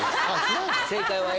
正解はＡ。